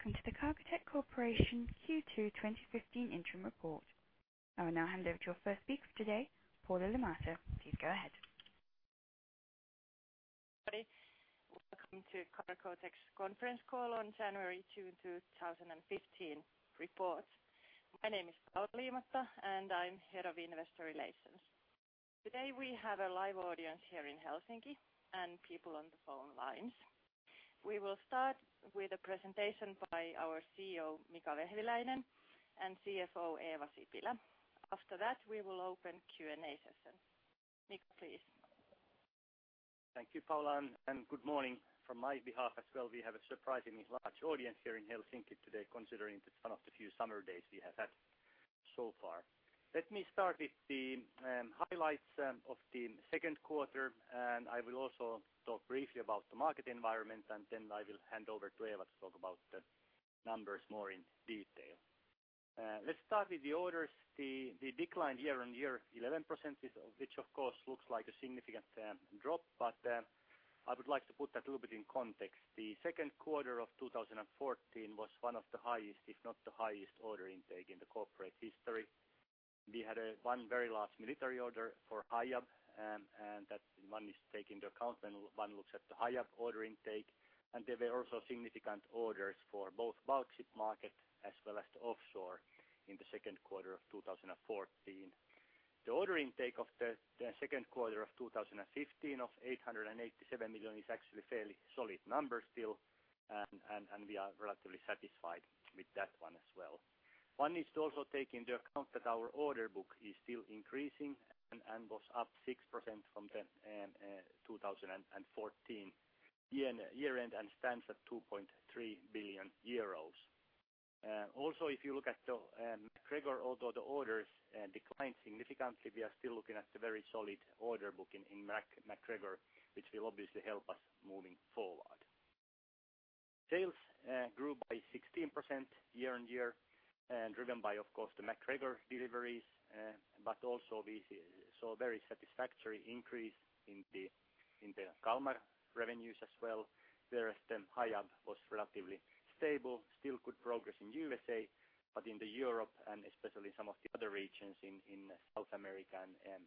Welcome to the Cargotec Corporation Q2 2015 Interim Report. I will now hand over to our first speaker today, Paula Liimatta. Please go ahead. Welcome to Cargotec's conference call on January 2, 2015 report. My name is Paula Liimatta, and I'm Head of Investor Relations. Today we have a live audience here in Helsinki and people on the phone lines. We will start with a presentation by our CEO, Mika Vehviläinen, and CFO, Eeva Sipilä. After that, we will open Q&A session. Mika, please. Thank you, Paula. Good morning from my behalf as well. We have a surprisingly large audience here in Helsinki today, considering it's one of the few summer days we have had so far. Let me start with the highlights of the second quarter. I will also talk briefly about the market environment. Then I will hand over to Eeva to talk about the numbers more in detail. Let's start with the orders. The decline year-over-year, 11% which of course looks like a significant drop. I would like to put that a little bit in context. The second quarter of 2014 was one of the highest, if not the highest order intake in the corporate history. We had one very large military order for Hiab, and that one is taking into account when one looks at the Hiab order intake. There were also significant orders for both bulk ship market as well as the offshore in the second quarter of 2014. The order intake of the second quarter of 2015 of 887 million is actually fairly solid number still and we are relatively satisfied with that one as well. One is to also take into account that our order book is still increasing and was up 6% from the 2014 year-end and stands at 2.3 billion euros. Also, if you look at the MacGregor, although the orders declined significantly, we are still looking at a very solid order book in MacGregor, which will obviously help us moving forward. Sales grew by 16% year-on-year, driven by of course the MacGregor deliveries. Also, we saw a very satisfactory increase in the Kalmar revenues as well. Whereas the Hiab was relatively stable, still good progress in USA, but in Europe and especially some of the other regions in South America and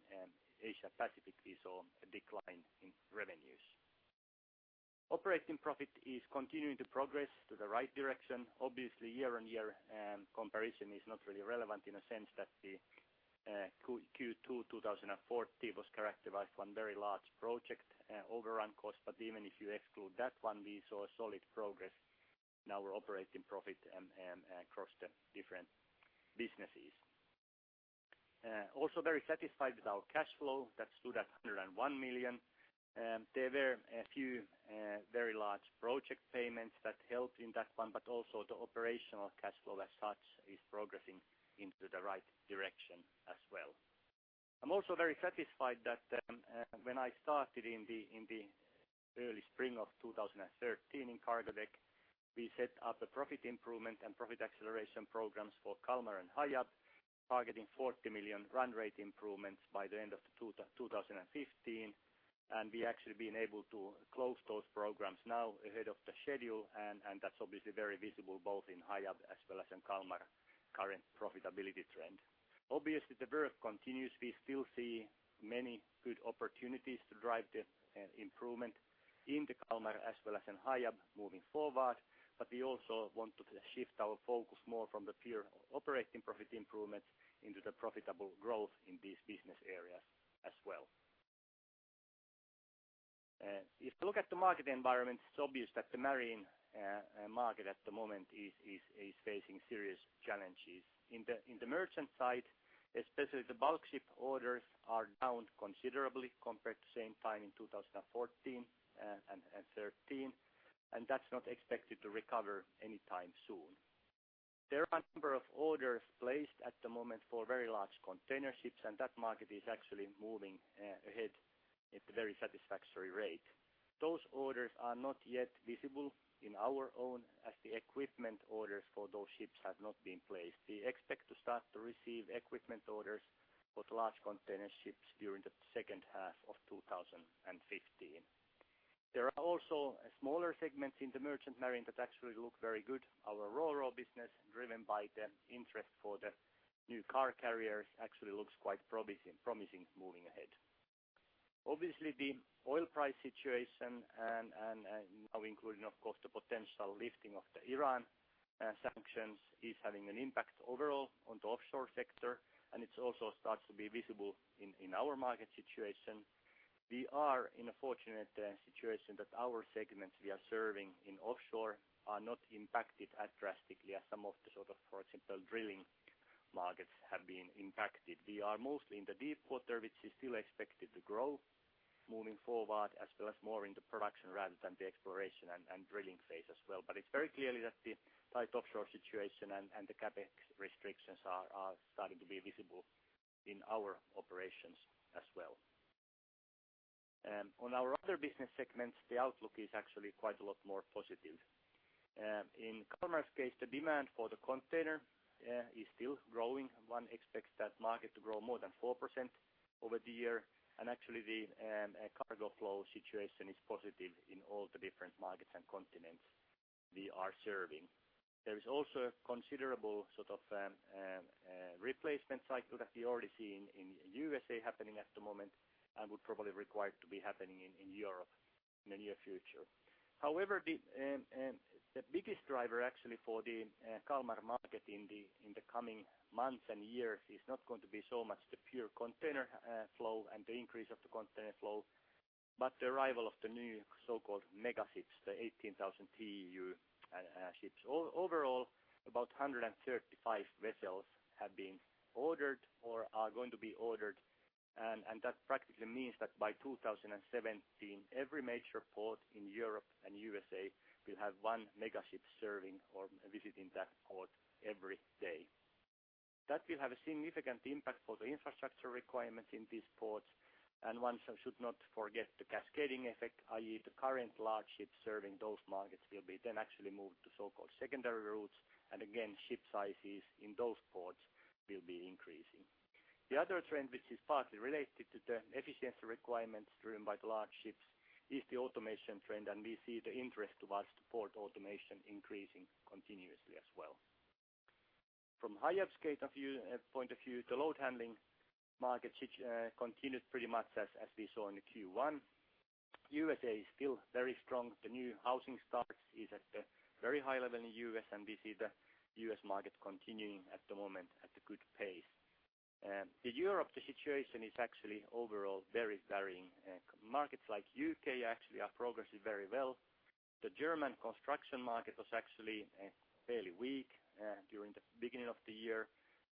Asia Pacific, we saw a decline in revenues. Operating profit is continuing to progress to the right direction. Obviously, year-on-year comparison is not really relevant in a sense that the Q2 2014 was characterized one very large project overrun cost. Even if you exclude that one, we saw a solid progress in our operating profit across the different businesses. Also very satisfied with our cash flow that stood at 101 million. There were a few very large project payments that helped in that one, but also the operational cash flow as such is progressing into the right direction as well. I'm also very satisfied that when I started in the early spring of 2013 in Cargotec, we set up a profit improvement and profit acceleration programs for Kalmar and Hiab, targeting 40 million run rate improvements by the end of 2015. We actually been able to close those programs now ahead of the schedule, and that's obviously very visible both in Hiab as well as in Kalmar current profitability trend. Obviously, the work continues. We still see many good opportunities to drive the improvement in the Kalmar as well as in Hiab moving forward. We also want to shift our focus more from the pure operating profit improvements into the profitable growth in these business areas as well. If you look at the market environment, it's obvious that the marine market at the moment is facing serious challenges. In the merchant side, especially the bulk ship orders are down considerably compared to same time in 2014 and 2013. That's not expected to recover anytime soon. There are a number of orders placed at the moment for very large container ships. That market is actually moving ahead at a very satisfactory rate. Those orders are not yet visible in our own as the equipment orders for those ships have not been placed. We expect to start to receive equipment orders for large container ships during the second half of 2015. There are also smaller segments in the merchant marine that actually look very good. Our RoRo business, driven by the interest for the new car carriers, actually looks quite promising moving ahead. Obviously, the oil price situation and now including of course the potential lifting of the Iran sanctions is having an impact overall on the offshore sector. It also starts to be visible in our market situation. We are in a fortunate situation that our segments we are serving in offshore are not impacted as drastically as some of the sort of, for example, drilling markets have been impacted. We are mostly in the deep water, which is still expected to grow moving forward, as well as more in the production rather than the exploration and drilling phase as well. It's very clear that the tight offshore situation and the CapEx restrictions are starting to be visible in our operations as well. On our other business segments, the outlook is actually quite a lot more positive. In Kalmar's case, the demand for the container is still growing. One expects that market to grow more than 4% over the year. Actually the cargo flow situation is positive in all the different markets and continents we are serving. There is also a considerable sort of replacement cycle that we already see in USA happening at the moment and would probably require to be happening in Europe in the near future. However, the biggest driver actually for the Kalmar market in the coming months and years is not going to be so much the pure container flow and the increase of the container flow, but the arrival of the new so-called mega ships, the 18,000 TEU ships. Overall, about 135 vessels have been ordered or are going to be ordered, and that practically means that by 2017, every major port in Europe and USA will have one mega ship serving or visiting that port every day. That will have a significant impact for the infrastructure requirements in these ports, one should not forget the cascading effect, i.e., the current large ships serving those markets will be then actually moved to so-called secondary routes. Again, ship sizes in those ports will be increasing. The other trend, which is partly related to the efficiency requirements driven by the large ships, is the automation trend, and we see the interest towards the port automation increasing continuously as well. From Hiab's point of view, the load handling market continues pretty much as we saw in the Q1. USA is still very strong. The new housing start is at a very high level in the U.S., and we see the U.S. market continuing at the moment at a good pace. The Europe, the situation is actually overall very varying. Markets like UK actually are progressing very well. The German construction market was actually fairly weak during the beginning of the year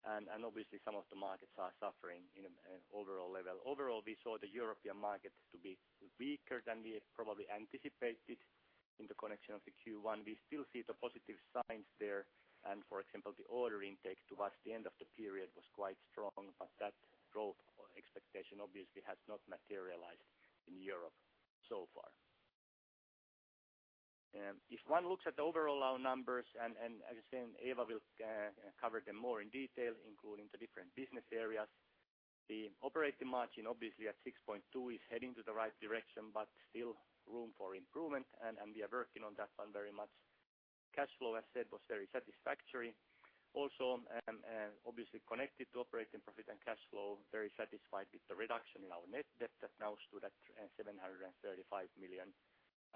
and obviously some of the markets are suffering in an overall level. Overall, we saw the European market to be weaker than we probably anticipated in the connection of the Q1. We still see the positive signs there. For example, the order intake towards the end of the period was quite strong. That growth expectation obviously has not materialized in Europe so far. If one looks at the overall our numbers and as I said, Eeva will cover them more in detail, including the different business areas. The operating margin, obviously at 6.2% is heading to the right direction, but still room for improvement and we are working on that one very much. Cash flow, as said, was very satisfactory. Obviously connected to operating profit and cash flow, very satisfied with the reduction in our net debt that now stood at 735 million.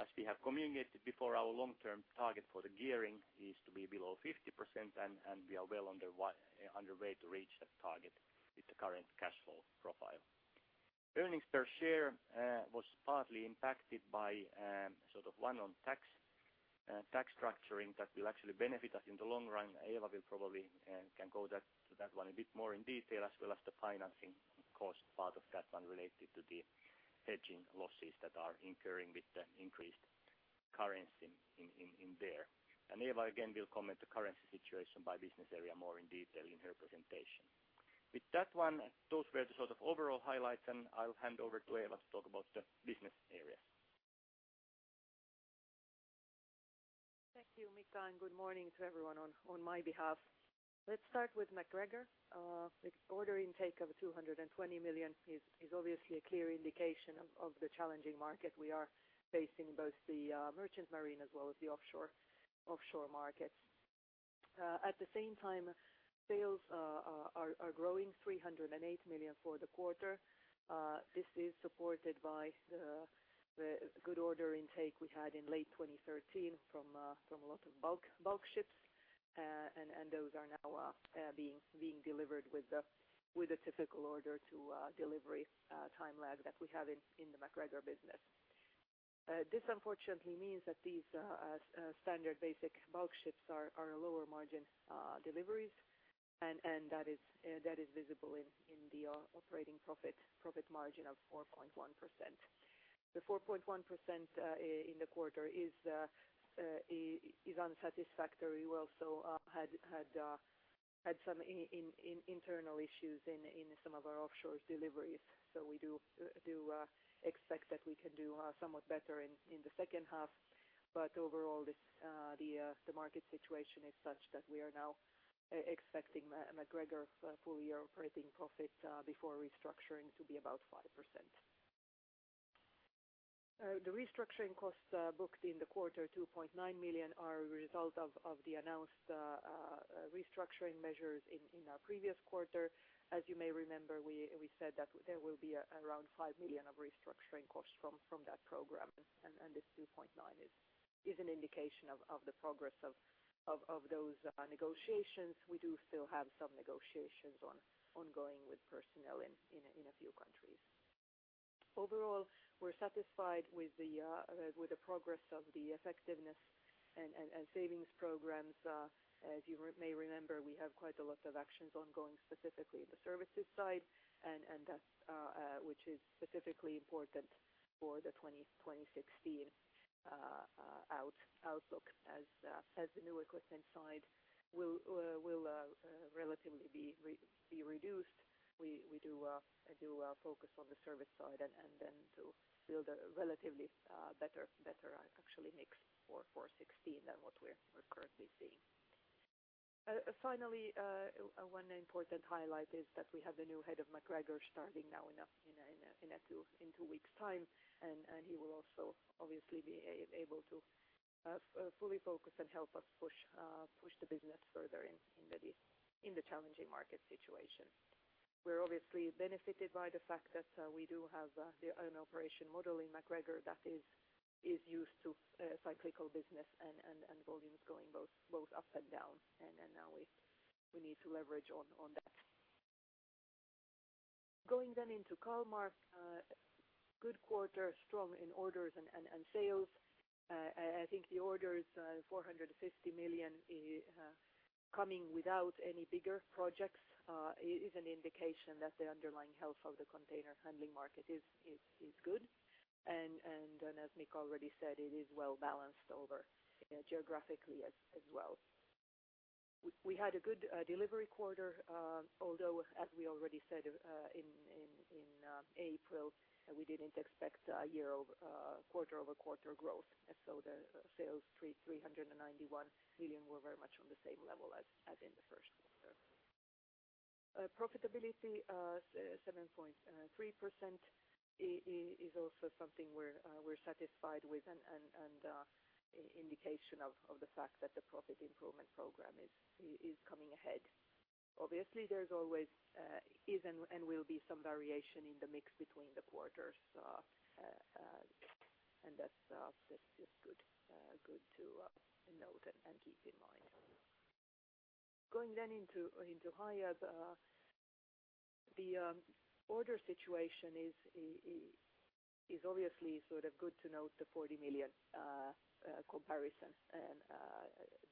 As we have communicated before, our long-term target for the gearing is to be below 50%, and we are well under way to reach that target with the current cash flow profile. Earnings per share was partly impacted by sort of one on tax structuring that will actually benefit us in the long run. Eva will probably to that one a bit more in detail, as well as the financing cost, part of that one related to the hedging losses that are incurring with the increased currency in there. Eeva again will comment the currency situation by business area more in detail in her presentation. With that one, those were the sort of overall highlights, and I'll hand over to Eeva to talk about the business area. Thank you, Mika, and good morning to everyone on my behalf. Let's start with MacGregor. With order intake of 220 million is obviously a clear indication of the challenging market we are facing, both the merchant marine as well as the offshore market. At the same time, sales are growing 308 million for the quarter. This is supported by the good order intake we had in late 2013 from a lot of bulk ships. Those are now being delivered with the typical order to delivery time lag that we have in the MacGregor business. This unfortunately means that these standard basic bulk ships are lower margin deliveries, and that is visible in the operating profit margin of 4.1%. The 4.1% in the quarter is unsatisfactory. We also had some internal issues in some of our offshore deliveries. We do expect that we can do somewhat better in the second half. Overall, this the market situation is such that we are now expecting MacGregor full year operating profit before restructuring to be about 5%. The restructuring costs booked in the quarter, 2.9 million are a result of the announced restructuring measures in our previous quarter. As you may remember, we said that there will be around 5 million of restructuring costs from that program. This 2.9 is an indication of the progress of those negotiations. We do still have some negotiations ongoing with personnel in a few countries. Overall, we're satisfied with the progress of the effectiveness and savings programs. As you may remember, we have quite a lot of actions ongoing, specifically in the services side and that's which is specifically important for the 2016 outlook. As the new equipment side will be reduced, we do focus on the service side and then to build a relatively better actually mix for 2016 than what we have seen. Finally, one important highlight is that we have the new head of MacGregor starting now in two weeks time, and he will also obviously be able to fully focus and help us push the business further in the challenging market situation. We're obviously benefited by the fact that we do have the own operation model in MacGregor that is used to cyclical business and volumes going both up and down. Now we need to leverage on that. Going then into Kalmar, good quarter, strong in orders and sales. I think the orders, 450 million, coming without any bigger projects, is an indication that the underlying health of the container handling market is good. As Mika already said, it is well balanced over geographically as well. We had a good delivery quarter, although as we already said in April, we didn't expect a quarter-over-quarter growth. The sales 391 million were very much on the same level as in the first quarter. Profitability, 7.3% is also something we're satisfied with and indication of the fact that the profit improvement program is coming ahead. Obviously, there's always is and will be some variation in the mix between the quarters. That's just good to note and keep in mind. Going then into Hiab, the order situation is obviously sort of good to note the 40 million comparison and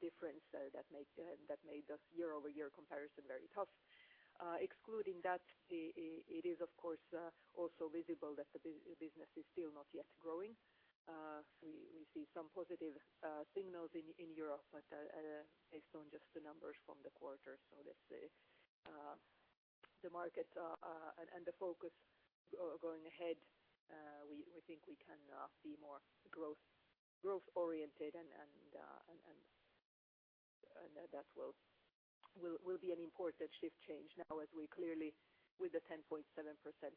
difference that made us year-over-year comparison very tough. Excluding that, it is of course also visible that the business is still not yet growing. We see some positive signals in Europe, but based on just the numbers from the quarter. Let's say, the markets, and the focus going ahead, we think we can be more growth oriented and that will be an important shift change now, as we clearly with the 10.7%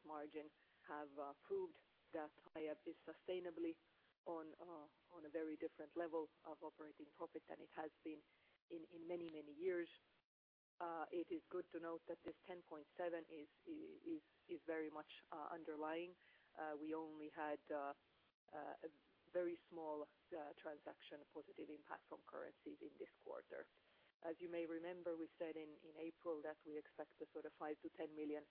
margin, have proved that Hiab is sustainably on a very different level of operating profit than it has been in many years. It is good to note that this 10.7 is very much underlying. We only had a very small transaction positive impact from currencies in this quarter. As you may remember, we said in April that we expect a sort of $5 million-$10 million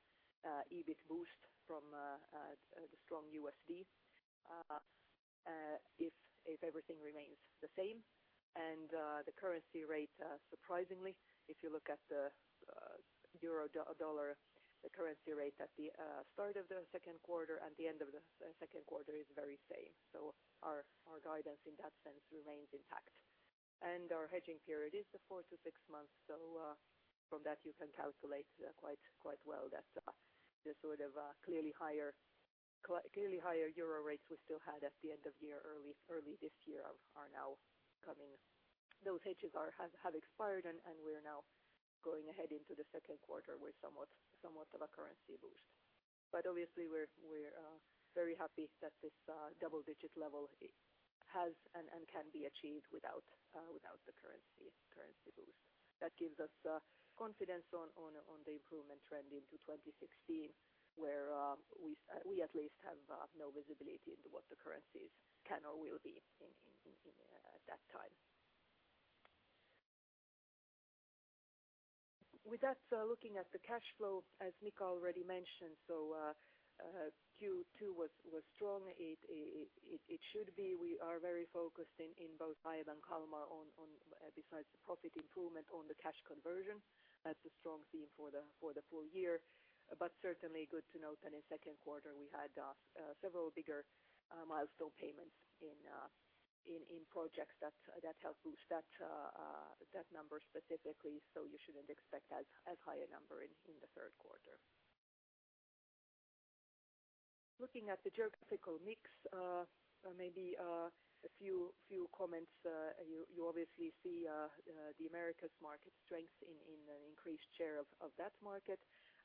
EBIT boost from the strong USD, if everything remains the same. The currency rate, surprisingly, if you look at the euro-dollar, the currency rate at the start of the second quarter and the end of the second quarter is very same. Our guidance in that sense remains intact. Our hedging period is 4-6 months. From that, you can calculate quite well that the sort of clearly higher euro rates we still had at the end of year, early this year are now coming. Those hedges are, have expired and we're now going ahead into the second quarter with somewhat of a currency boost. Obviously we're very happy that this double-digit level has and can be achieved without the currency boost. That gives us confidence on the improvement trend into 2016, where we at least have no visibility into what the currencies can or will be in at that time. Looking at the cash flow, as Mika already mentioned, Q2 was strong. It should be. We are very focused in both Hiab and Kalmar on besides the profit improvement on the cash conversion. That's a strong theme for the full year. Certainly good to note that in second quarter we had several bigger milestone payments in projects that helped boost that number specifically. You shouldn't expect as high a number in the third quarter. Looking at the geographical mix, maybe a few comments. You obviously see the Americas market strength in an increased share of that market.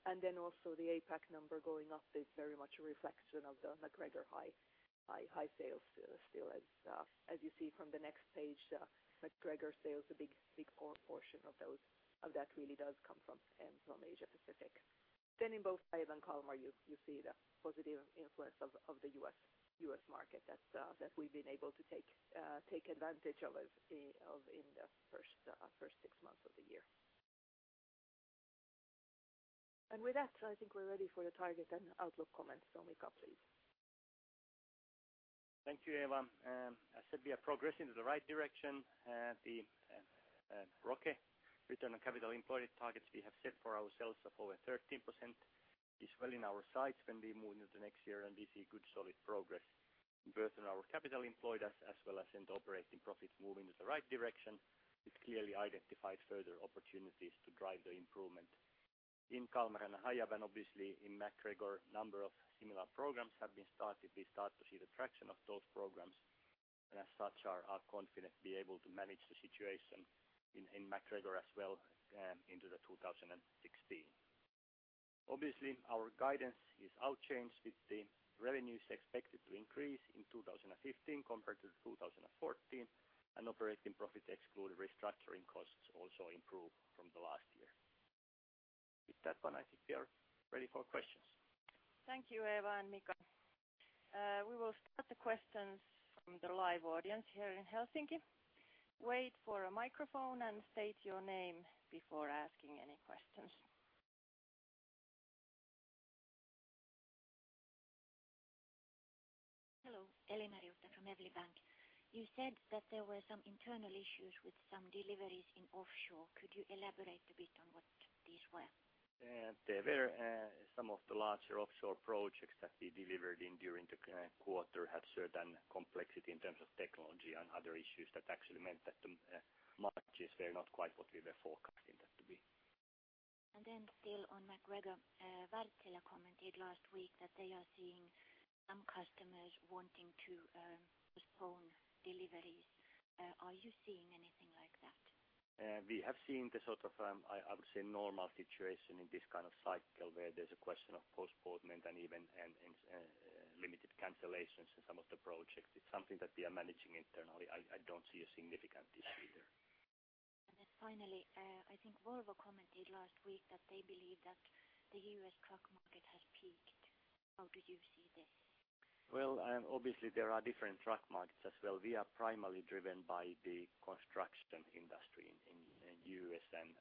Then also the APAC number going up is very much a reflection of the MacGregor high sales still. As you see from the next page, MacGregor sales, a big portion of those, of that really does come from Asia Pacific. Then in both Hiab and Kalmar, you see the positive influence of the U.S. market that we've been able to take advantage of in the first six months of the year. With that, I think we're ready for the target and outlook comments. Mika, please. Thank you, Eeva. I said we are progressing to the right direction. The ROCE, return on capital employed targets we have set for ourselves of over 13% is well in our sights when we move into next year. We see good solid progress both in our capital employed as well as in the operating profit moving into the right direction. It clearly identifies further opportunities to drive the improvement in Kalmar and Hiab and obviously in MacGregor. Number of similar programs have been started. We start to see the traction of those programs, and as such are confident be able to manage the situation in MacGregor as well, into 2016. Obviously, our guidance is unchanged with the revenues expected to increase in 2015 compared to 2014. Operating profit exclude restructuring costs also improve from the last year. With that one, I think we are ready for questions. Thank you, Eeva and Mika. We will start the questions from the live audience here in Helsinki. Wait for a microphone and state your name before asking any questions. Hello, Elina Ryhänen from Evli Bank. You said that there were some internal issues with some deliveries in offshore. Could you elaborate a bit on what these were? Yeah. There were, some of the larger offshore projects that we delivered in during the current quarter had certain complexity in terms of technology and other issues that actually meant that the margins were not quite what we were forecasting them to be. Still on MacGregor, Wärtsilä commented last week that they are seeing some customers wanting to postpone deliveries. Are you seeing anything like that? We have seen the sort of, I would say normal situation in this kind of cycle where there's a question of postponement and even, and limited cancellations in some of the projects. It's something that we are managing internally. I don't see a significant issue there. Finally, I think Volvo commented last week that they believe that the U.S. truck market has peaked. How do you see this? Well, obviously there are different truck markets as well. We are primarily driven by the construction industry in U.S. and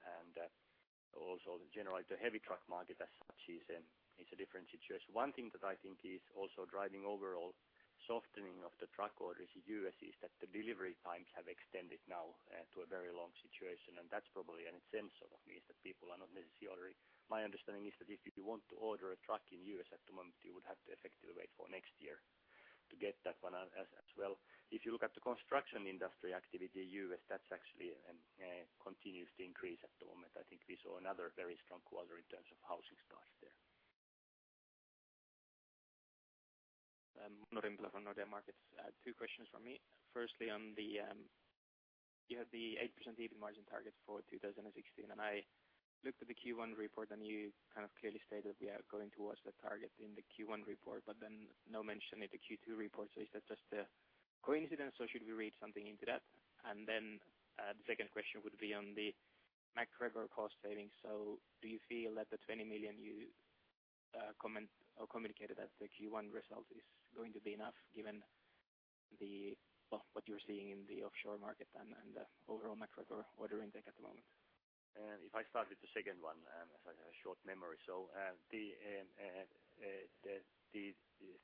also the general, the heavy truck market as such is a different situation. One thing that I think is also driving overall softening of the truck orders in U.S. is that the delivery times have extended now, to a very long situation, and that's probably an incentive of means that people are not necessarily. My understanding is that if you want to order a truck in U.S. at the moment, you would have to effectively wait for next year to get that one. As well, if you look at the construction industry activity U.S., that's actually, continues to increase at the moment. I think we saw another very strong quarter in terms of housing starts there. Johan Dahl from Nordea Markets. Two questions from me. Firstly, on the, you have the 8% EBIT margin target for 2016, and I looked at the Q1 report, and you kind of clearly stated we are going towards the target in the Q1 report but then no mention in the Q2 report. Is that just a coincidence or should we read something into that? The second question would be on the MacGregor cost savings. Do you feel that the 20 million you comment or communicated at the Q1 result is going to be enough given the, well, what you're seeing in the offshore market and the overall MacGregor order intake at the moment? If I start with the second one, as I have short memory. The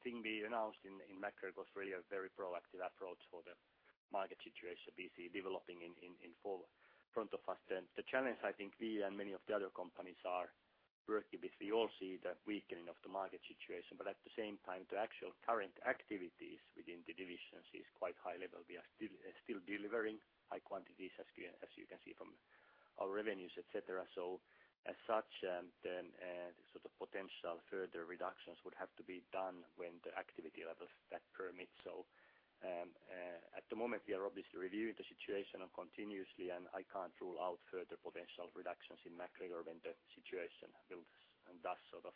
thing we announced in MacGregor is really a very proactive approach for the market situation we see developing in front of us. The challenge I think we and many of the other companies are working with, we all see the weakening of the market situation. At the same time, the actual current activities within the divisions is quite high level. We are still delivering high quantities as you can see from our revenues, et cetera. As such, sort of potential further reductions would have to be done when the activity levels that permit. At the moment, we are obviously reviewing the situation and continuously, and I can't rule out further potential reductions in MacGregor when the situation builds and does sort of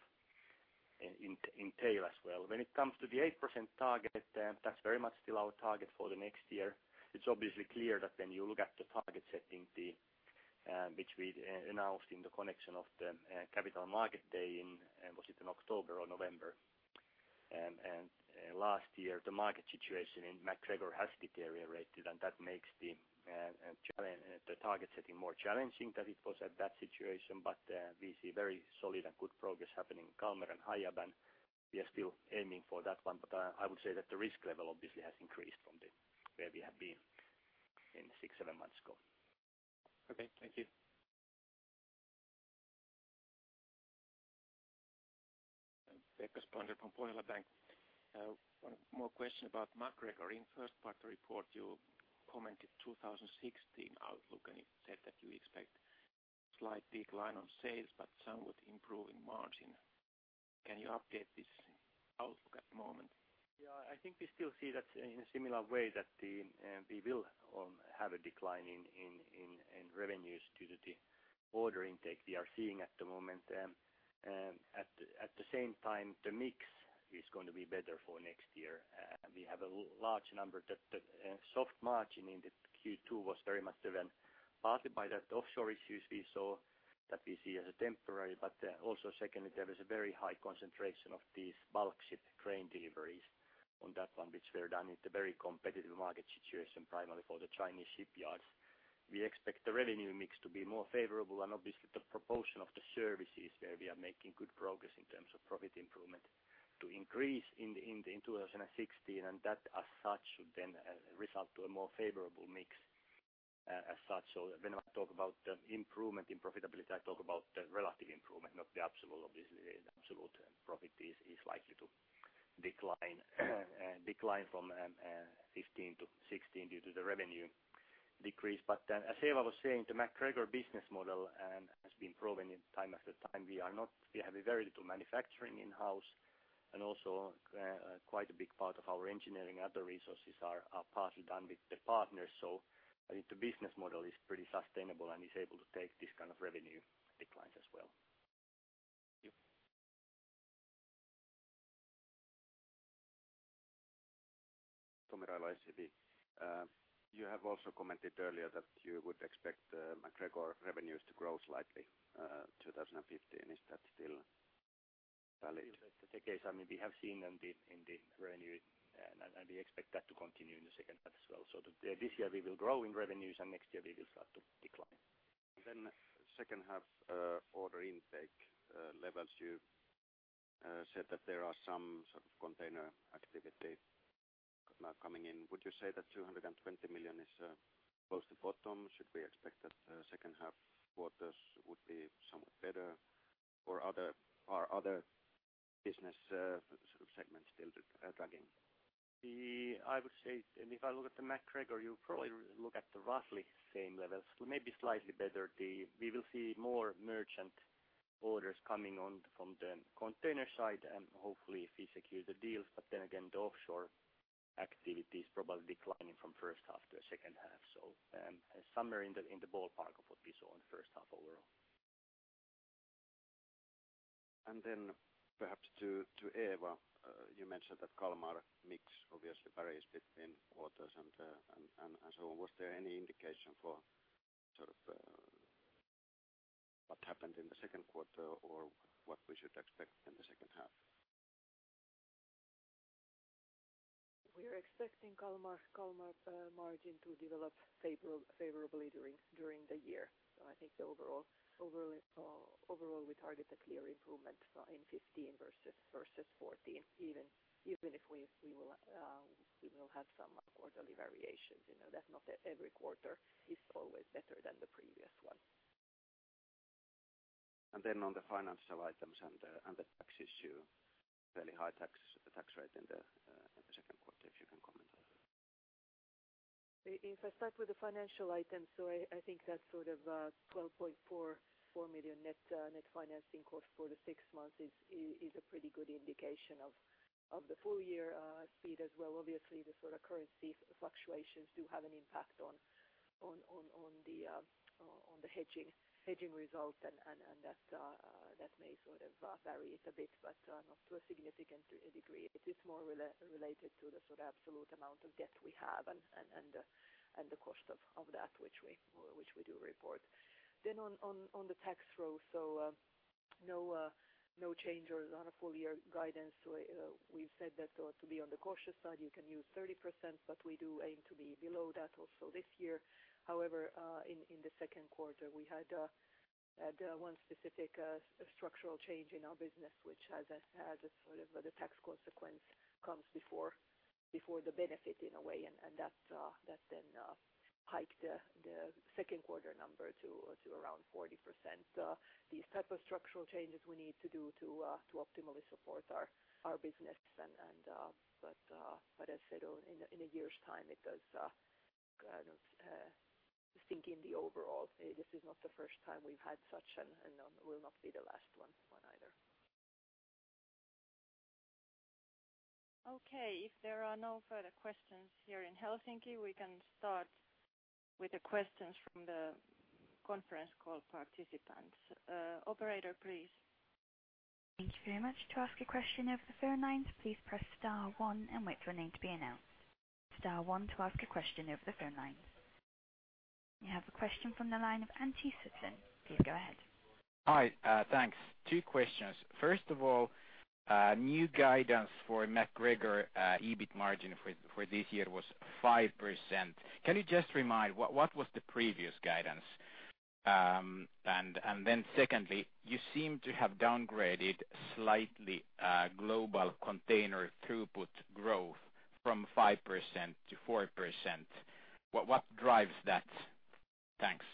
entail as well. When it comes to the 8% target, that's very much still our target for the next year. It's obviously clear that when you look at the target setting, the, which we'd announced in the connection of the capital market day in, was it in October or November? Last year, the market situation in MacGregor has deteriorated, and that makes the challenge the target setting more challenging than it was at that situation. We see very solid and good progress happening in Kalmar and Hiab, and we are still aiming for that one. I would say that the risk level obviously has increased from the, where we have been in six, seven months ago. Okay. Thank you. Pekka Spolander from Pohjola Bank. One more question about MacGregor. In first part of the report, you commented 2016 outlook, and you said that you expect slight decline on sales but somewhat improving margin. Can you update this outlook at the moment? I think we still see that in a similar way that the we will have a decline in revenues due to the order intake we are seeing at the moment. At the same time, the mix is going to be better for next year. We have a large number that soft margin in the Q2 was very much driven partly by that offshore issues we saw that we see as a temporary. Also secondly, there is a very high concentration of these bulk ship crane deliveries on that one, which were done in a very competitive market situation, primarily for the Chinese shipyards. We expect the revenue mix to be more favorable and obviously the proportion of the services where we are making good progress in terms of profit improvement to increase in 2016. That as such should then result to a more favorable mix as such. When I talk about the improvement in profitability, I talk about the relative improvement, not the absolute. Obviously, the absolute profit is likely to decline from 2015-2016 due to the revenue decrease. As Eeva was saying, the MacGregor business model and has been proven in time after time, we have a very little manufacturing in-house and also quite a big part of our engineering, other resources are partly done with the partners. I think the business model is pretty sustainable and is able to take this kind of revenue declines as well. Thank you. Tommi Råman, SEB. You have also commented earlier that you would expect MacGregor revenues to grow slightly 2015. Is that still valid? Still the case. I mean, we have seen in the, in the revenue and we expect that to continue in the second half as well. This year we will grow in revenues and next year we will start to decline. Second half, order intake, levels, you said that there are some sort of container activity now coming in. Would you say that 220 million is close to bottom? Should we expect that second half quarters would be somewhat better or are other business, sort of segments still dragging? I would say, if I look at MacGregor, you probably look at the roughly same levels, maybe slightly better. We will see more merchant orders coming on from the container side and hopefully if we secure the deals. The offshore activity is probably declining from first half to second half. Somewhere in the ballpark of what we saw in the first half overall. Then perhaps to Eeva, you mentioned that Kalmar mix obviously varies between quarters and so on. Was there any indication for sort of, what happened in the second quarter or what we should expect in the second half? We are expecting Kalmar margin to develop favorably during the year. I think the overall we target a clear improvement in 2015 versus 2014. Even if we will have some quarterly variations. You know, that not every quarter is always better than the previous one. On the financial items and the tax issue, fairly high tax rate in the second quarter, if you can comment on that? If I start with the financial items, I think that sort of 12.44 million net financing cost for the six months is a pretty good indication of the full year speed as well. Obviously, the sort of currency fluctuations do have an impact on the hedging result and that may vary it a bit, but not to a significant degree. It is more related to the sort of absolute amount of debt we have and the cost of that which we do report. On the tax row. No change or on a full year guidance. We've said that to be on the cautious side, you can use 30%, but we do aim to be below that also this year. In the second quarter, we had one specific structural change in our business, which has a sort of the tax consequence comes before the benefit in a way. That then hiked the second quarter number to around 40%. These type of structural changes we need to do to optimally support our business, but as I said, in a year's time it does sink in the overall. This is not the first time we've had such and will not be the last one either. Okay, if there are no further questions here in Helsinki, we can start with the questions from the conference call participants. Operator, please. Thank you very much. To ask a question over the phone lines, please press star one and wait for your name to be announced. Star one to ask a question over the phone lines. We have a question from the line of Antti Suttelin. Please go ahead. Hi, thanks. Two questions. First of all, new guidance for MacGregor EBIT margin for this year was 5%. Can you just remind what was the previous guidance? Then secondly, you seem to have downgraded slightly global container throughput growth from 5%-4%. What drives that? Thanks.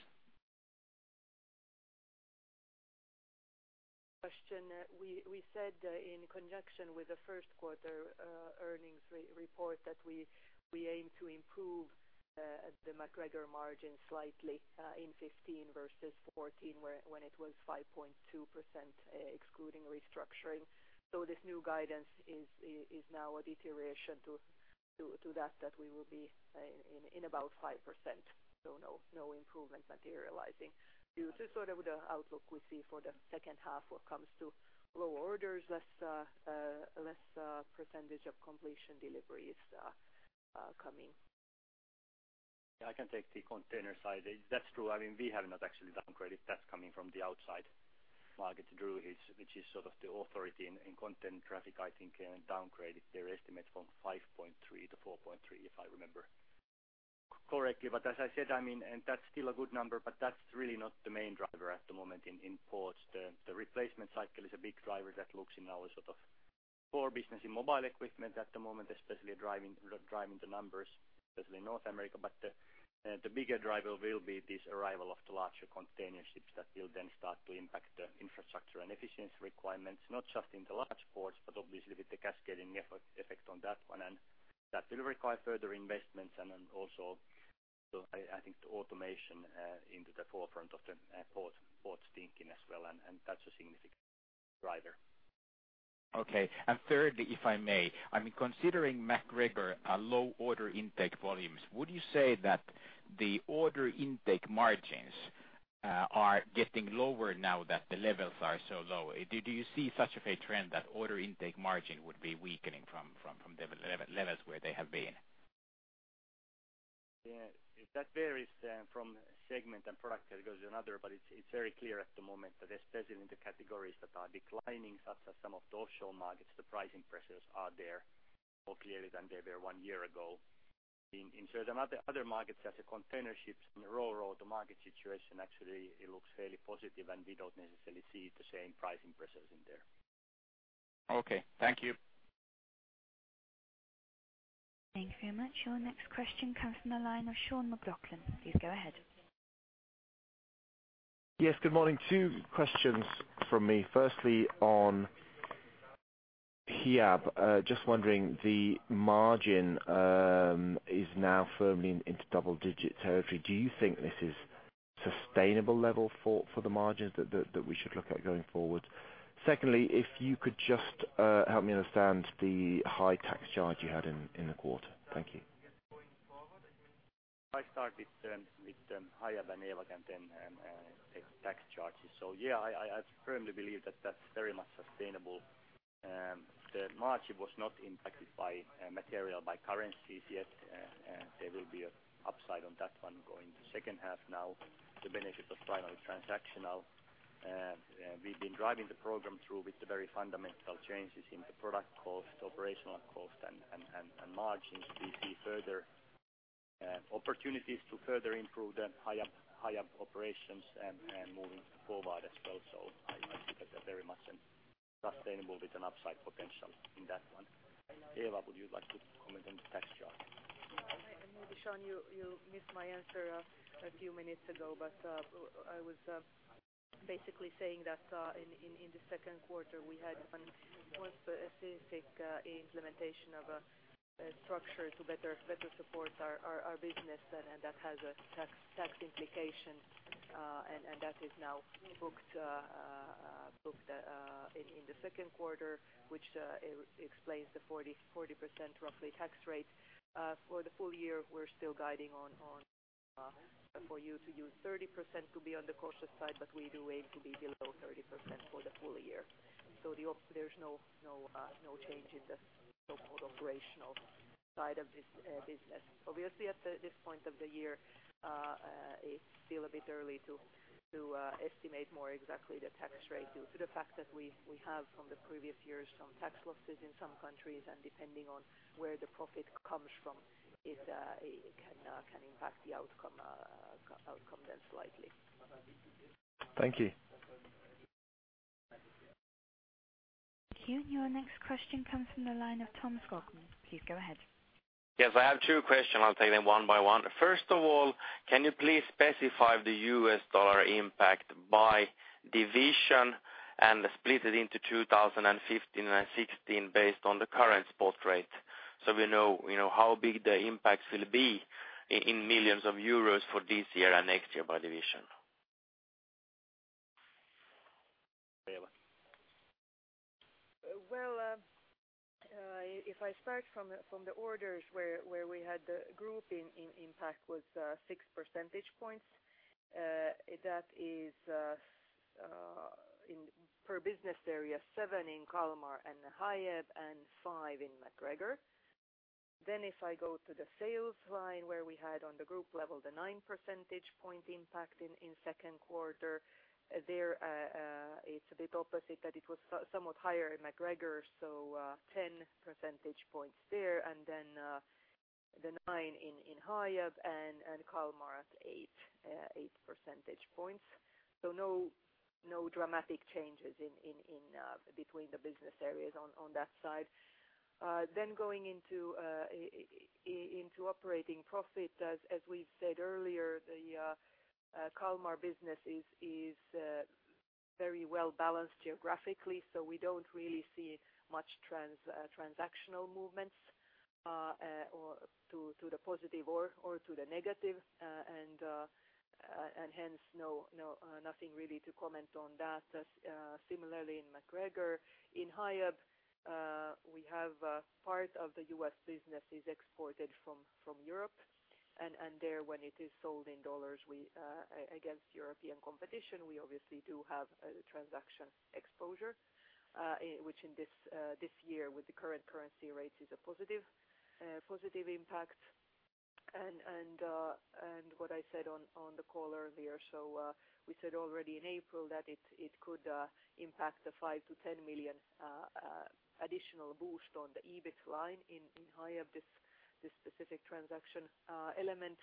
Question. We said in conjunction with the first quarter earnings re-report that we aim to improve the MacGregor margin slightly in 2015 versus 2014, when it was 5.2% excluding restructuring. This new guidance is now a deterioration to that we will be in about 5%. No improvement materializing due to sort of the outlook we see for the second half when it comes to lower orders, less percentage of completion deliveries coming. I can take the container side. That's true. I mean, we have not actually downgraded. That's coming from the outside market. Drewry, which is sort of the authority in container traffic, I think, downgraded their estimate from 5.3 to 4.3, if I remember correctly. As I said, I mean, that's still a good number, but that's really not the main driver at the moment in ports. The, the replacement cycle is a big driver that looks in our sort of core business in mobile equipment at the moment, especially driving the numbers, especially in North America. The, the bigger driver will be this arrival of the larger container ships that will then start to impact the infrastructure and efficiency requirements, not just in the large ports, but obviously with the cascading effect on that one. That will require further investments and then I think the automation into the forefront of the port thinking as well, and that's a significant driver. Okay. thirdly, if I may, I mean, considering MacGregor are low order intake volumes, would you say that the order intake margins are getting lower now that the levels are so low? Do you see such of a trend that order intake margin would be weakening from levels where they have been? That varies from segment and product. It goes to another, but it's very clear at the moment that especially in the categories that are declining, such as some of the offshore markets, the pricing pressures are there more clearly than they were one year ago. In certain other markets, such as containerships and RoRo, the market situation actually it looks fairly positive, we don't necessarily see the same pricing pressures in there. Okay, thank you. Thank you very much. Your next question comes from the line of Sean McLoughlin. Please go ahead. Yes, good morning. Two questions from me. Firstly, on Hiab. Just wondering the margin is now firmly into double digits. Do you think this is sustainable level for the margins that we should look at going forward? Secondly, if you could just help me understand the high tax charge you had in the quarter. Thank you. I start with higher than Eeva and then tax charges. Yeah, I firmly believe that that's very much sustainable. The margin was not impacted by material by currencies yet. There will be a upside on that one going to second half now, the benefit of finally transactional. We've been driving the program through with the very fundamental changes in the product cost, operational cost, and margins. We see further opportunities to further improve the Hiab operations and moving forward as well. I look at that very much and sustainable with an upside potential in that one. Eeva, would you like to comment on the tax charge? Maybe, Sean, you missed my answer a few minutes ago. I was basically saying that in the second quarter we had one specific implementation of a structure to better support our business and that has a tax implication. That is now booked in the second quarter, which explains the 40% roughly tax rate. For the full year, we're still guiding on for you to use 30% to be on the cautious side, but we do aim to be below 30% for the full year. There's no change in the so-called operational side of this business. Obviously, at this point of the year, it's still a bit early to estimate more exactly the tax rate due to the fact that we have from the previous years some tax losses in some countries. Depending on where the profit comes from, it can impact the outcome then slightly. Thank you. Thank you. Your next question comes from the line of Tom Skogman. Please go ahead. Yes, I have two questions. I'll take them one by one. First of all, can you please specify the U.S. dollar impact by division and split it into 2015 and 2016 based on the current spot rate so we know, you know, how big the impacts will be in millions of euros for this year and next year by division? Eeva. If I start from the orders where we had the group in impact was 6 percentage points. That is in per business area, 7 in Kalmar and Hiab and 5 in MacGregor. If I go to the sales line, where we had on the group level the 9 percentage point impact in second quarter, there it's a bit opposite that it was somewhat higher in MacGregor, so 10 percentage points there, the 9 in Hiab and Kalmar at 8 percentage points. No dramatic changes in between the business areas on that side. Going into operating profit, as we said earlier, the Kalmar business is very well-balanced geographically, so we don't really see much transactional movements, or to the positive or to the negative. And hence, no, nothing really to comment on that. Similarly in MacGregor. In Hiab, we have part of the U.S. business is exported from Europe, and there when it is sold in dollars, we against European competition, we obviously do have a transaction exposure, which in this year with the current currency rates is a positive impact. What I said on the call earlier, we said already in April that it could impact the $5 million-$10 million additional boost on the EBIT line in Hiab, this specific transaction element.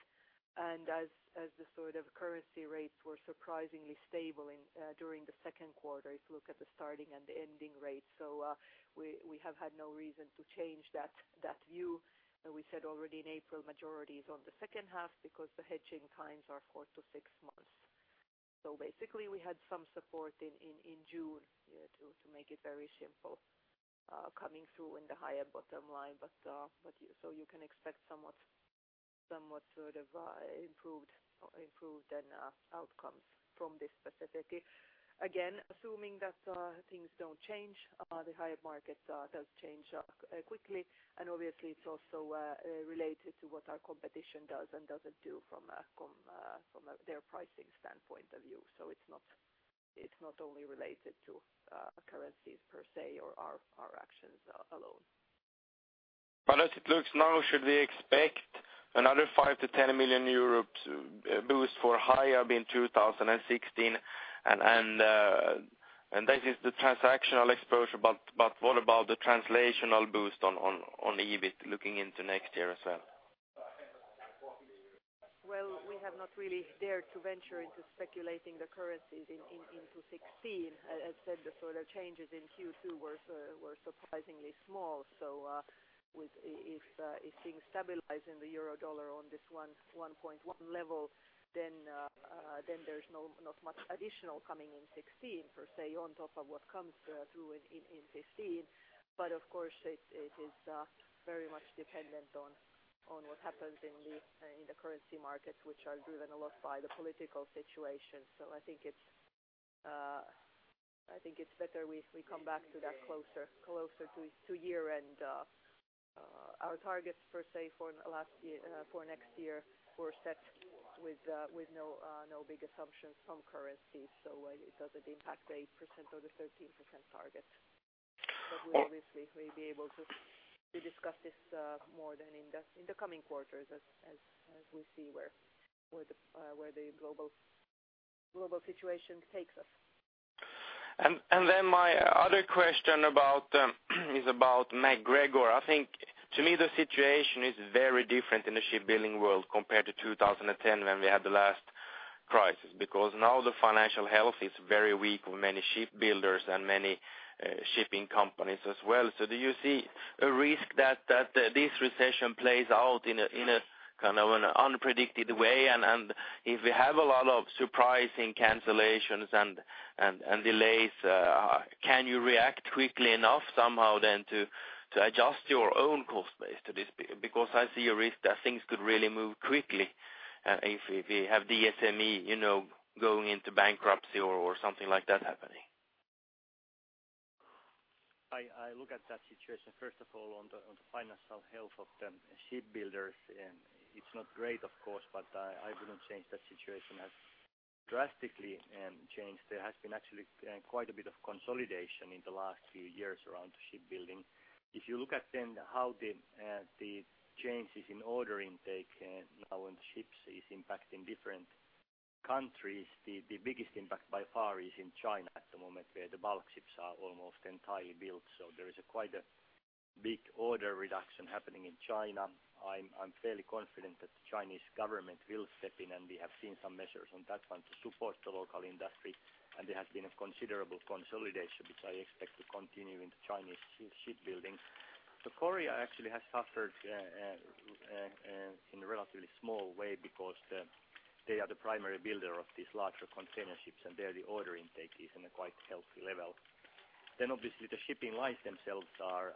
As the sort of currency rates were surprisingly stable in during the second quarter, if you look at the starting and ending rates. We have had no reason to change that view. We said already in April, majority is on the second half because the hedging times are 4-6 months. Basically we had some support in June, to make it very simple, coming through in the higher bottom line. So you can expect somewhat sort of improved and outcomes from this specifically. Again, assuming that things don't change, the higher market does change quickly and obviously it's also related to what our competition does and doesn't do from a their pricing standpoint of view. It's not only related to currencies per se or our actions alone. As it looks now, should we expect another 5 million-10 million euros boost for Hiab being 2016 and that is the transactional exposure. What about the translational boost on EBIT looking into next year as well? really dared to venture into speculating the currencies in, into 2016. As said, the sort of changes in Q2 were surprisingly small. If things stabilize in the euro/dollar on this 1.1 level, then there's not much additional coming in 2016 per se on top of what comes through in 2015. But of course it is very much dependent on what happens in the currency markets, which are driven a lot by the political situation. I think it's better we come back to that closer to year-end. Our targets per se for last year, for next year were set with no big assumptions from currency. It doesn't impact the 8% or the 13% target. We'll obviously be able to discuss this more than in the coming quarters as we see where the global situation takes us. Then my other question about is about MacGregor. I think to me the situation is very different in the shipbuilding world compared to 2010 when we had the last crisis. Now the financial health is very weak with many shipbuilders and many shipping companies as well. Do you see a risk that this recession plays out in a kind of an unpredicted way? If we have a lot of surprising cancellations and delays, can you react quickly enough somehow then to adjust your own cost base to this? Because I see a risk that things could really move quickly, if we have DSME, you know, going into bankruptcy or something like that happening. I look at that situation first of all on the, on the financial health of the shipbuilders, and it's not great of course, but I wouldn't change that situation as drastically, change. There has been actually quite a bit of consolidation in the last few years around shipbuilding. If you look at how the changes in order intake now on ships is impacting different countries. The biggest impact by far is in China at the moment, where the bulk ships are almost entirely built. There is a quite a big order reduction happening in China. I'm fairly confident that the Chinese government will step in, and we have seen some measures on that one to support the local industry, and there has been a considerable consolidation, which I expect to continue into Chinese ship, shipbuilding. Korea actually has suffered in a relatively small way because they are the primary builder of these larger container ships, and there the order intake is in a quite healthy level. Obviously the shipping lines themselves are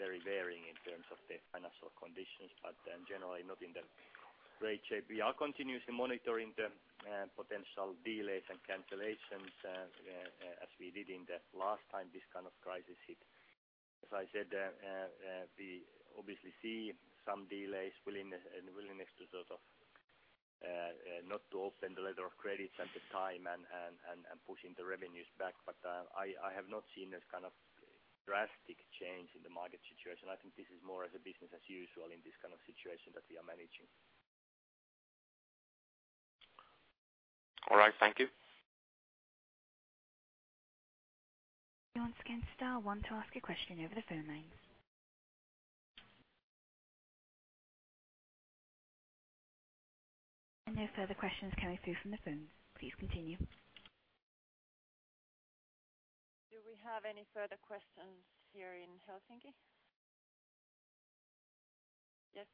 very varying in terms of their financial conditions, but generally not in the great shape. We are continuously monitoring the potential delays and cancellations as we did in the last time this kind of crisis hit. As I said, we obviously see some delays, and willingness to sort of not to open the letter of credits at the time and pushing the revenues back. I have not seen this kind of drastic change in the market situation. I think this is more as a business as usual in this kind of situation that we are managing. All right. Thank you. Once again, star one to ask a question over the phone lines. No further questions coming through from the phones. Please continue. Do we have any further questions here in Helsinki? Yes.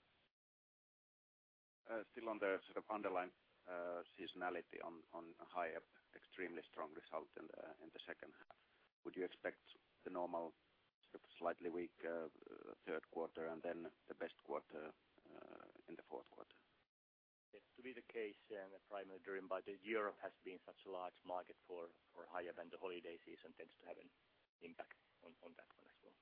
Still on the sort of underlying, seasonality on higher extremely strong result in the second half. Would you expect the normal sort of slightly weak, third quarter and then the best quarter, in the fourth quarter? Yes. To be the case, primarily driven by the Europe has been such a large market for Hiab than the holiday season tends to have an impact on that one as well.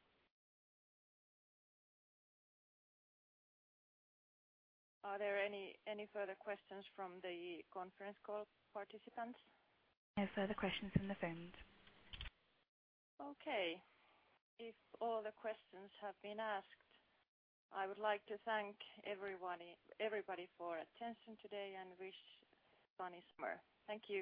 Are there any further questions from the conference call participants? No further questions from the phones. Okay. If all the questions have been asked, I would like to thank everyone, everybody for attention today and wish funny summer. Thank you.